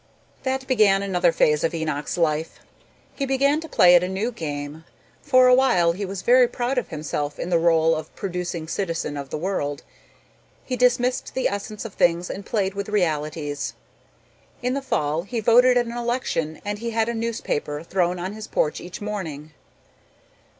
That began another phase of Enoch's life. He began to play at a new game. For a while he was very proud of himself in the role of producing citizen of the world. He dismissed the essence of things and played with realities. In the fall he voted at an election and he had a newspaper thrown on his porch each morning.